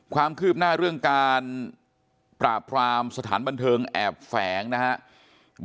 ความคืบหน้าเรื่องการปราบพรามสถานบันเทิงแอบแฝงนะครับ